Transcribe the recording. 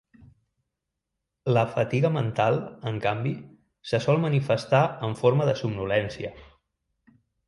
La fatiga mental, en canvi, se sol manifestar en forma de somnolència.